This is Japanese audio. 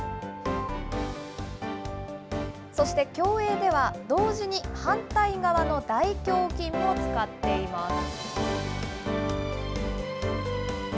そして、競泳では、同時に反対側の大胸筋も使っています。